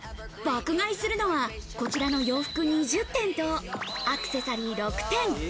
爆買いするのは、こちらの洋服２０点とアクセサリー６点。